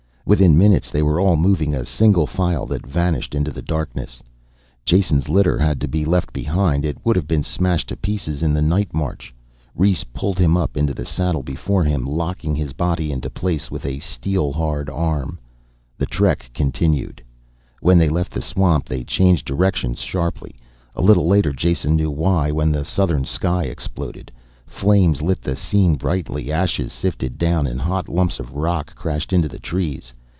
Within minutes they were all moving, a single file that vanished into the darkness. Jason's litter had to be left behind, it would have been smashed to pieces in the night march. Rhes pulled him up into the saddle before him, locking his body into place with a steel hard arm. The trek continued. When they left the swamp they changed directions sharply. A little later Jason knew why, when the southern sky exploded. Flames lit the scene brightly, ashes sifted down and hot lumps of rock crashed into the trees.